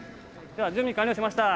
準備完了しました。